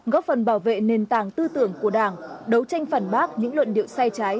góp phần bảo vệ nền tảng tư tưởng của đảng đấu tranh phản bác những luận điệu sai trái